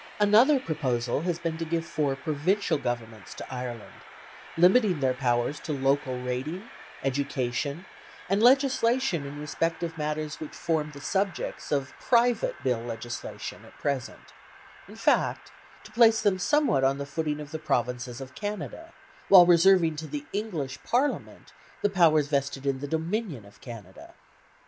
Another proposal has been to give four provincial Governments to Ireland, limiting their powers to local rating, education, and legislation in respect of matters which form the subjects of private Bill legislation at present; in fact, to place them somewhat on the footing of the provinces of Canada, while reserving to the English Parliament the powers vested in the Dominion of Canada.